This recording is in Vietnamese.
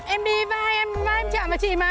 em đi vai em chạm vào chị mà